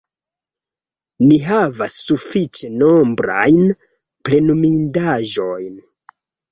Ni havas sufiĉe nombrajn plenumindaĵojn.